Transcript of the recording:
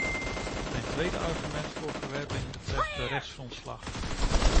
Mijn tweede argument voor verwerping betreft de rechtsgrondslag.